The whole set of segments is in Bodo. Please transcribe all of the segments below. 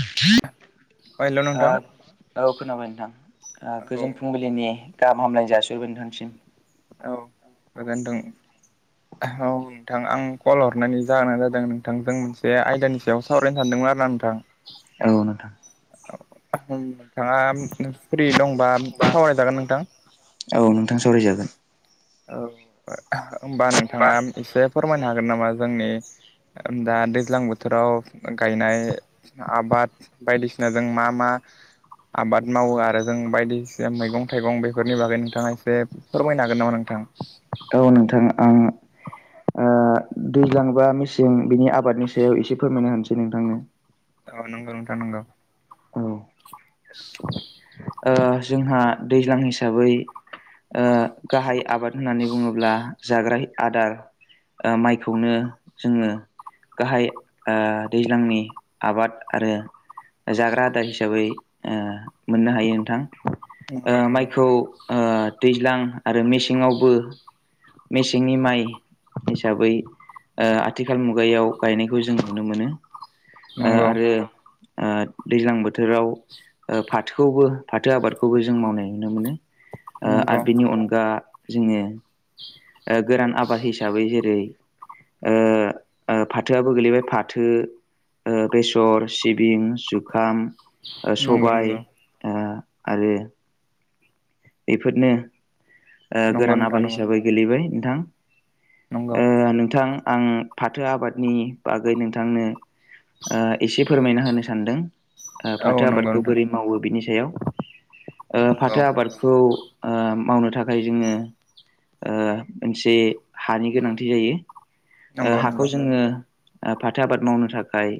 [inaudible] ओ हेल' नोंथां औ खोनाबाय नोंथां ओ औ गोजोन फुंबिलिनि गाहाम हामलायनाय जासिहरबाय नोंथांनिसिम औ गोजोनथों औ नोंथां आं कल हरनायनि जाहोनानो जादों नोंथांजों मोनसे आयदानि सायाव सावरायनो सानदोंमोन आरोना नोंथां औ नोंथां नोंथाङा फ्रि दंबा सावरायजागोन नोंथां औ नोंथां सावरायजागोन। औ होमबा नोंथाङा एसे फोरमायनो हागोन नामा जोंनि दा दैज्लां बोथोर बोथोराव गायनाय आबाद बायदिसिनाजों मा मा आबाद मावो आरो जों बायदिसिना मैगं थाइगं बेफोरनि बागै नोंथाङा एसे फोरमायनो हागोन नामा नों थां? औ नोंथां आं ओ दैज्लां बा मेसें बिनि आबादनि सायाव एसे फोरमायना होनोसै नोंथांनो औ नंगौ नोंथां नंगौ औ [inaudible] ओ जोंहा दैज्लां हिसाबै ओ गाहाय आबाद होननानै बुङोब्ला जाग्रा आदार ओ माइखौनो जोङो गाहाय ओ दैज्लांनि आबाद आरो जाग्रा आदा हिसाबै ओ मोननो हायो नोंथां। नंगौ ओ नंगौ माइखौ ओ दैज्लां आरो मेसेङावबो मेसेंनि माइ हिसाबै ओ आथिखाल मुगायाव गायनायखौ जों नुनो मोनो। नंगौ आरो दैज्लां बोथोराव फाथो खौबो फाथो आबादखौबो जों मावनाय नुनो मोनो नंगौ आरो बिनि अनगा जोङो गोरान आबाद हिसाबै जेरै ओ फाथोआबो गोलैबाय फाथो, बेसर, सिबिं, जुखाम, नंगौ सबाय नंगौ आरो बेफोरनो नंगौ गोरान नोंथां आबाद नंगौ हिसाबै गोलैबाय नोंथां। नंगौ ओ नोंथां आं फाथो आबादनि बागै नोंथांनो एसे फोरमायना होनो सानदों औ फाथो नंगौ आबादखौ नोंथां बोरै मावो बिनि सायाव। नंगौ फाथो आबादखौ मावनो थाखाय जोंनो मोनसे हानि गोनांथि जायो। ओ नंगौ हाखौ नंगौ जोङो फाथो आबाद मावनो थाखाय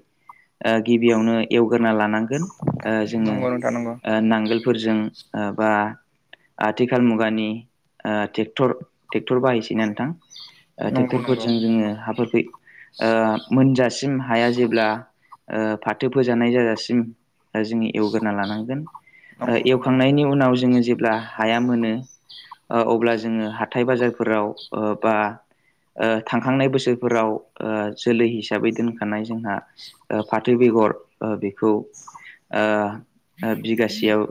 गिबियावनो एवग्रोना लानांगोन जोङो नंगौ नोंथां नंगौ नांगोलफोरजों बा आथिखाल मुगानि ओ ट्रेक्टर बाहायसै ना नोंथां नंगौ नंगौ ट्रेक्टरफोरजों जोङो हाफोरखौै ओ मोनजासिम हाया जेब्ला ओ फाथो फोजानाय जाजासिम दा जोङो एवग्रोना लानांगोन। नंगौ एवखांनायनि उनाव जोङो जेब्ला हाया मोनो अब्ला जोङो। हाथाय बाजारफोराव बा थांखांनाय बोसोरफोराव जोलै हिसाबै दोनखानाय जोंहा। फाथो बेगर बेखौ ओ। बिगासेयाव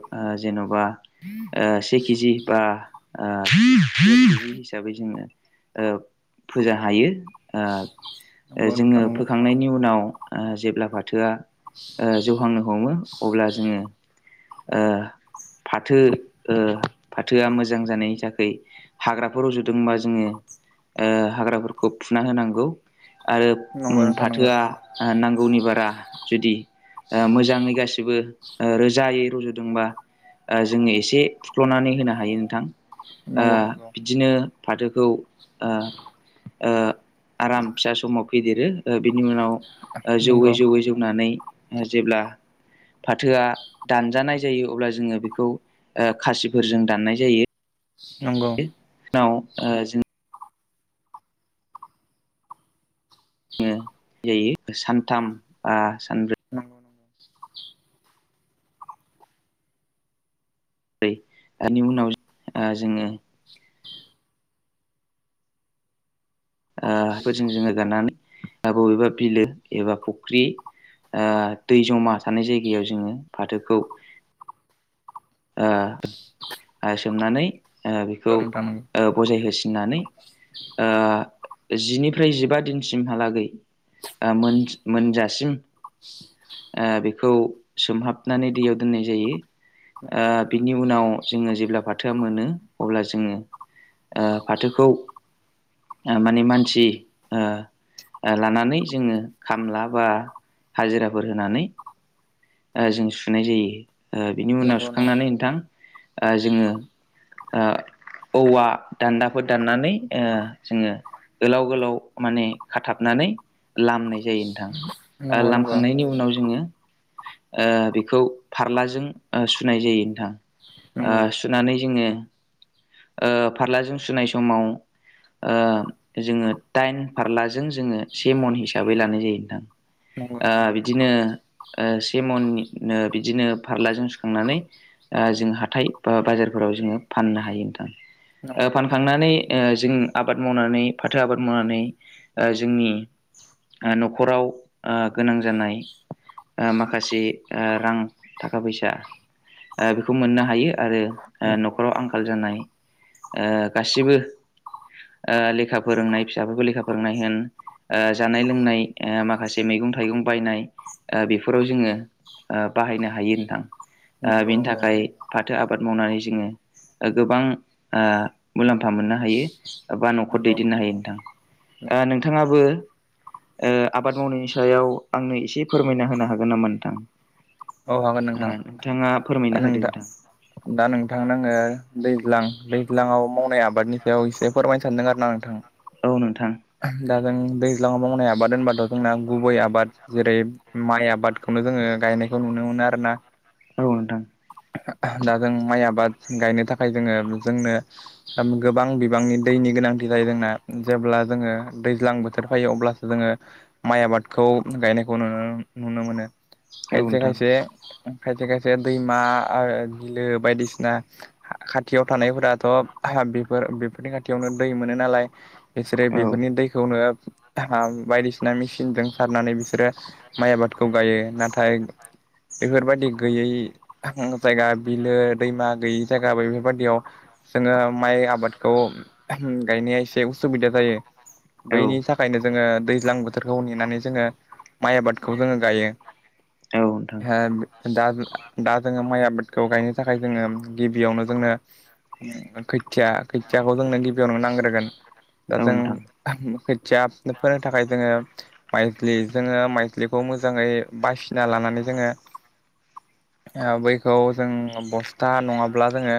जेन'बा से के जि बा। ओ हिसाबै जोङो फोजा हायो। नंगौ नंगौ जोङो नोंथां नंगौ फोखांनायनि उनाव जेब्ला फाथोआ। जौहांनो हमो अब्ला जोङो। ओ फाथो फाथोआ मोजां जानायनि थाखैय। हाग्राफोर रजदोंबा जोङो हाग्राफोरखौ फुना होनांगौ। आरो ओम नंगौ फाथोआ ओ नांगौनि बा रां जुदि ओ मोजाङै गासिबो रोजायै रज'दोंबा। ओ जोङो एसे फुख्ल'नानै होनो हायो नोंथां। नंगौ नंगौ। नो फाथोखौ ओ ओ आराम फिसा समाव फेदेरो ओ बे नि उनाव ओ जौयै नंगौ जौयै जौनानै ओ जेब्ला। फाथोआ दानजानाय जायो अब्ला जोङो बेखौ ओ खासिफोरजों दाननाय जायो‌। नंगौ औ ओ जों जोङो जायो सानथाम ओ सा नंगौ नंगौ। ओनि उनाव ओ जोङो। ओ फोरजों जोङो दाननानै बबेबा बिलो एबा फुख्रि ओ दै जमा थानाय जायगायाव जोङो फाथोखौ। ओ ओ सोमनानै ओ नंगौ नोंथां नंगौ बेखौ ओ बजाय हो सिनानै ओ जिफ्राय जिबा दिनसिमहालागै। ओ मोन मोनजासिम ओ बेखौ सोमहाबनानै दैयाव दोननाय जायो। ओ बिनि उनाव जोङो जेब्ला फाथोआ मोनो अब्ला जोङो। ओ फाथोखौ ओ माने मानसि ओ। ओ लानानै जोङो खामला बा हाजिराफोर होनानै। ओ जों सुनाय जायो। ओ बिनि नंगौ उनाव नंगौ थां जोङो ओ। औवा दान्दाफोर दान्नानै ओ जोङो। गोलाव गोलाव माने खाथाबनानै लामनाय जायो नोंथां। ओ लामखांनायनि उनाव जोङो ओ बेखौ फारलाजों ओ। सुनाय जायो नोंथां। ओ सुनानै जोङो ओ फारलाजों सुनाय समाव। ओ जोङो दाइन फारलाजों जोङो से मन हिसाबै लानाय जायो नोंथां। ओ बिदिनो ओ से मननि नो बिदिनो फारलाजों सु खांनानै ओ जों हाथाय बा बाजारफोराव जोङो फाननो हायो नोंथां। ओ फानखांनानै ओ जों आबाद मावनानै फाथो आबाद मावनानै। ओ जोंनि ओ न'खराव गोनां जानाय। ओ माखासे ओ रां थाखा फैसा। ओ बेखौ मोननो हायो आरो न'खराव आंखाल जानाय। ओ गासिबो ओ लेखा फोरोंनाय फिसाफोरखौ लेखा फोरोंनाय होन ओ जानाय लोंनाय ओ माखासे मैगं-थाइगं बायनाय ओ बेफोराव जोङो ओ बाहायनो हायो नोंथां। ओ बेनि थाखाय फाथो आबाद मावनानै जोङो। ओ गोबां ओ मुलाम्फा मोननो हायो बा न'खर दैदेननो हायो नोंथां। ओ नोंथाङाबो ओ आबाद मावनायनि सायाव आंनो एसे फोरमायना होनो हागोन नामा नोंथां? औ हागोन नोंथां। ओ नोंथाङा फोरमायना दा होदो नोंथां दा नोंथांनो आंङो दैज्लां दैज्लाङाव मावनाय आबादनि सायाव एसे फोरमायनो सानदों आरो ना नोंथां। औ नोंथां दा जों दैज्लाङाव मावनाय आबाद होनबाथ' जोंना गुबै आबाद जेरै माइ आबादखौनो जोंङो गायनाय खौ नुनो मोनो आरोना। औ नोंथां दा जों माइ आबाद गायनो थाखाय जोंङो जोंनो ओम गोबां बिबांनि दैनि गोनांथि जायो जोंना जेब्ला जोंङो दैज्लां बोथोर फैयो अब्लासो जोंङो माइ आबादखौ गायनायखौ नु-नुनो मोनो। औ खायसे नोंथां खायसे खायसे खायसे दैमा आ बिलो बायदिसिना खाथियाव थानायफोराथ' बेफोर बेफोरनि खाथियावनो दै मोनो नालाय। बिसोरो औ बेफोरनि दैखौनो बायदिसिना मेसिंनजों सारनानै बि बिसोरो माइ आबादखौ गायो नाथाय बेफोरबायदि गैयै जायगा बिलो दैमा गैयै जायगा बेफोरबायदियाव जोंङो माइ आबादखौ गायनाया एसे उसुबिदा जायो औ बैनि थाखायनो जोंङो दैज्लां बोथोरखौ नेनानै जोंङो माइ आबादखौ जोङो गायो। औ नोंथां दा दा जोंङो माइ आबादखौ गायनो थाखाय जोंङो गिबियावनो जोंनो खोथिया खोथियाखौ जोंनो गिबियाव नोंनो नांग्रोगोन दा औ जों नोंथां खोथिया फोनो थाखाय जोंङो माइजलि जोंङो माइस्लिखौ मोजाङै बासिना लानानै जोंङो बैखौ जों ब खोथा नङाब्ला जोङो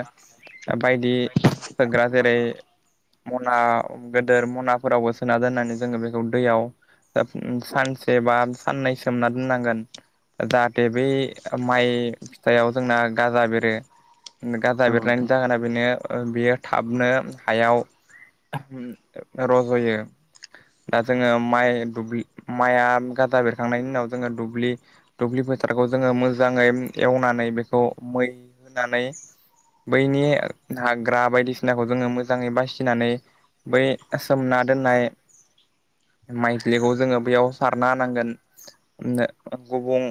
बायदि सोग्रा जेरै [unintelligible] गेदेर मनाफोरावबो सोना दोननानै जोंङो बेखौ दैयाव सानसे बा साननैसोमना नांगोन जाहाथे बै माइ फिथाइाव जोंना गाजा बेरो गाजा औ बेरनायनि नोंथां जागोना बेनो बियो थाबनो हायाव रज'यो दा जोंङो माइ दुबलि माइआ गाजा बेरखांनायनि उनाव जों दुब्लि फोथारखौ जोंङो मोजाङै एवनानै बेखौ मै होनानै बैनि हाग्रा बायदिसिनाखौ जोंङो मोजाङै बासिनानै बै सोमना दनाय माइथलिखौ जोंङो बेयाव सारना होनांगोन। गुबुं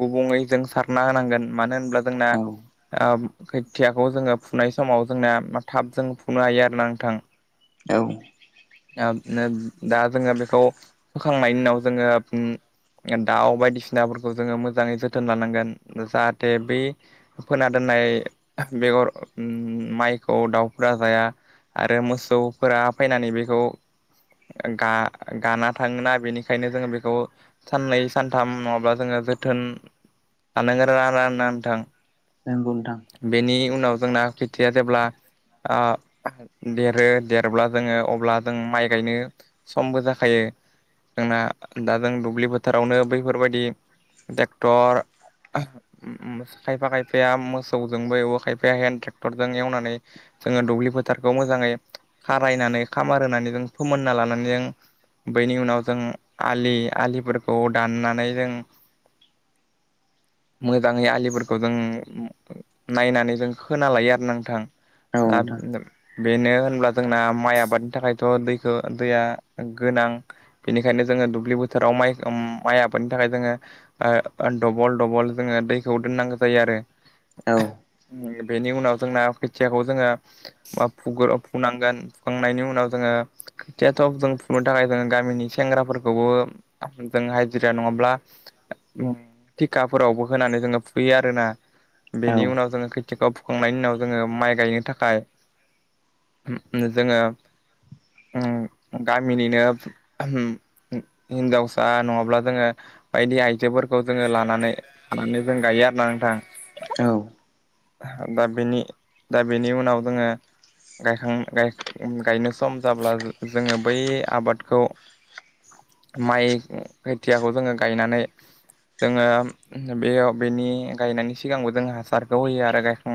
गुबुङै जों सारना होनांगोन मानो होनब्ला जोंना औ ओ खोथियाखौ जोंङो फुनाय समाव जोंना थाब जों फुनो हायो आरोना नोंथां औ दा जोङो बेखौ फोखांनायनि उनाव जोंङो दाउ बायदिसिनाफोरखौ जोंङो मोजाङै जोथोन लानांगोन जाहाथे बै फोन दोन नाम बेगर माइखौ दाउफोरा जाया आरो मोसौफोरा फैनानै बेखौ गाना थाङोना बेनिखायनो जों बेखौ साननै सानथाम नङाब्ला जोंङो जोथोन लानांगोन राा नथां नंगौ नोंथां बेनि उनाव जोंना खैथाया जेब्ला ओ देरो देरब्ला जोङो अब्ला जों माइ गायनो समबो जाखायो जोंना दा जों दुब्लि फोथारावनो बैफोरबायदि टेक्टर खायफा खायफाया मोसौजोंबो एवो खायफाया हेन्द ट्रेक्टरजों एवनानै जोंङो दुब्लि फोथारखौ मोजाङै खारायनानै खामार होनानै जों फोमोनना लानानै जों बैनि उनाव जों आलि आलिफोरखौ दाननानै जों [inaudible] मोजाङै आलिफोरखौ जों नायनानै जों खोन लायो आरो नोंथां। औ दा नोंथां बेनो होनब्ला जोंना माइ आबादनि थाखायथ' दैखौ दैया गोनां बेनिखायनो जों जों दुब्लि थोराव माइ माइ आबादनि थाखाय जोङो दबल दबल जोङो दैखौ दोननांगौ जायो आरो औ [inaudible] बेनि उनाव जोंना खोथियाखौ जोङो फुनांगोन फुखांनायनि उनाव जोङो खोथियााथ' जों फुनो थाखाय जों गामिनि सेंग्राफोरखौबो जों हाइजेरिया नङाब्ला थिखाफोरावबो होनानै जोङो फुैयो आरो ना बेनि उनाव जोङो खैथिगआव फुखांनायनि उनाव जोङो माइ गायनो थाखाय जोङो उम गामिनिनो उम हिनजावसा नङाब्ला जोङो बायदि आइजोफोरखौ जोङो लानानै लानानै जों गायो आरोना नोंथां औ दा बेनि दा बेनि उनाव जोङो गायखां गायनो सम जाब्ला जोङो बै आबादखौ माइ खोथियाखौ जोङो गायनानै जोङो बेयाव बेनि गायनायनि सिगांबो जों हासारखौ होयो आरो गायखां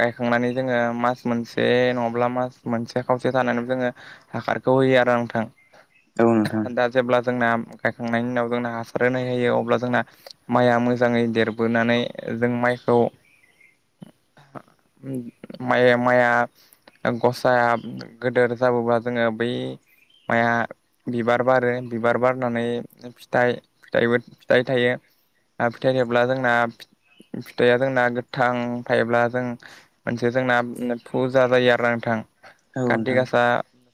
गायखांनानै जोङो मास मोनसे नङाब्ला मास मोनसे खावसे थानानै जोङो हाखारखौ होयो आंथां औ नोंथां जेब्ला जोंना गायखांनायनि उनाव जोंना हासार होनाय होायो अब्ला जोंना माइआ मोजाङै देरबोनानै जों माइखौ माइआ गसाया गेदेर जाबोब्ला जोङो बै माइाया बिबार बारो बिबार बारनानै फिथ फिथ फिथाइ थायो आरो फिथायाइेब्ला जोंना फिथाइआ जोंना गोथां थायोब्ला जों मोनसे जोंना फुजा जायो आरो न नोंथां औ नोंथां औ कारति नोंथां गासा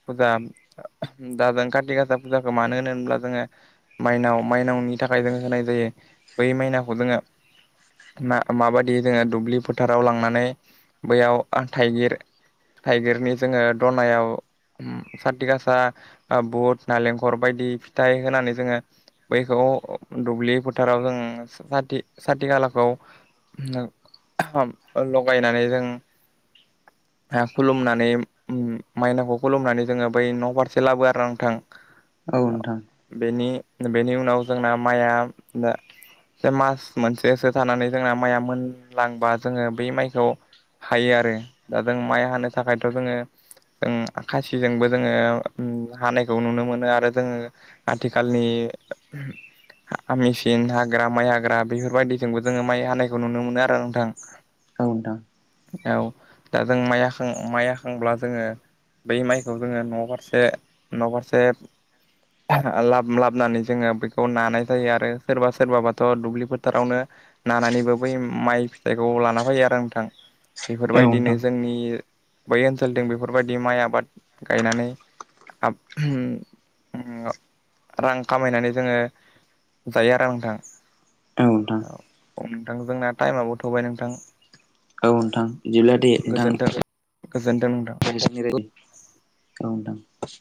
फुजा दा जों कारत गासा फुजाखौ मानो होनो होनब्ला जोङो माइनाव माइनावनि थाखाय जोङ होनाय जायो बै माइनाावखौ जोङो ना माबायदि जोङो दुब्लि फोथाराव लांनानै बैयाव थाइगिर थाइगिरनि जोङो दनायाव ओ- साथि गासा बुट नालेंखर बायदि फिथाइ होनानै जोङो बैखौ दुब्लि फोथाराव जों सा साथि खालाखौ लगायनानै जों खुलुमनानै माइनाखौ खुलुमनानै जोङो बै न'फारसे लाबो आरो आंथां औ नोंथां औ नोंथां बेनि बेनि उनाव जोंना माइया ज मास मोनसेसो थानानै जोंना माइआ मोनलांबा जोङो बै माइखौ हायो आरो दा जों माइ हानो थाखायथ' जोङो जों खासिजोंबो जोङो हानायखौ नुनो मोनो आरो जोङो आथिखालनि मेसिन हाग्रा माइ हाग्रा बेफोरबायदिथिजोंबो जोङो माइ हानायखौ नुनो मोनो आरो नोंथां औ नोंथां औ नोंथां औ दा जों माइां माइयााखांब्ला जोङो बै माइखौ जोङो न'फारसे न'फारसे लाब लाबनानै जोङो बेखौ नानाय जायो आरो सोरबा सोरबाबाथ' दुब्लि फोथारावनो नानानैबो बै माइ फिथाइखौ लाना फैयो आरो नोंथां बेफोरबायदिनो जोंनि बै ओनसोलजों बेफोरबायदि माइ आबाद गायनानै आ रां खामायनानै जोङो जायो आरो नोंथां औ औ नोंथांजोंना टाइमाबो थ'बाय नोंथां औ नोंथां बिदिब्ला दे गोजोनथों नोंथां गोजोनथों नोंथां नि र ग दां [unintelligible]